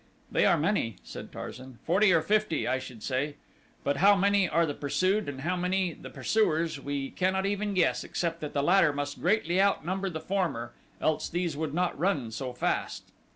"They are many," said Tarzan, "forty or fifty, I should say; but how many are the pursued and how many the pursuers we cannot even guess, except that the latter must greatly outnumber the former, else these would not run so fast."